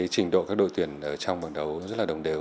trình độ các đội tuyển trong bảng đấu rất là đồng đều